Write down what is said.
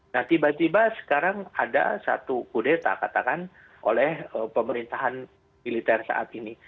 nah tiba tiba sekarang ada satu kudeta katakan oleh pemerintahan militer saat ini